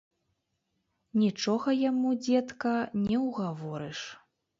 Нічога яму, дзедка, не ўгаворыш.